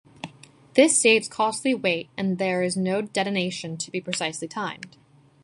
This saves costly weight and there is no detonation to be precisely timed.